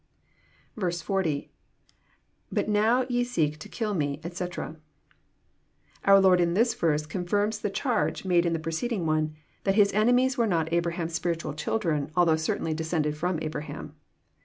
40. — IBut now ye seek to kill me, etc."] Our Lord in this verse con firms the charge made in the preceding one, — ^that His enemies were not Abraham's spiritual children, although carnally de scended from Abraham.